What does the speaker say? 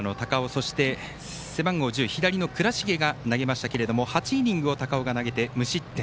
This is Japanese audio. そして、背番号１０左の倉重が投げましたが８イニングを高尾が投げて無失点。